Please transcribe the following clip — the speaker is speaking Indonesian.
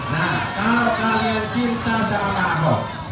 nah kalau kalian cinta sama pak ho